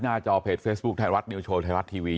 นั่นเป็นเรื่องสถาบันนะครับ